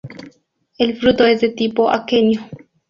El fruto es de tipo aquenio.